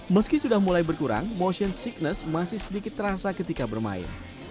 meski sudah mulai berkurang motion sickness masih sedikit terasa ketika bermain